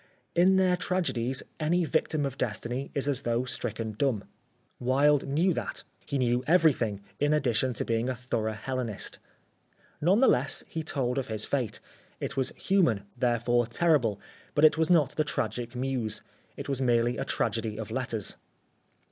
In their tragedies any victim of destiny is as though stricken dumb. Wilde knew that, he knew everything, in addition to being a thorough Hellenist. None the less he told of his fate. It was human, therefore terrible, but it was not the tragic muse. It was merely a tragedy of letters.